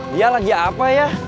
dia lagi apa ya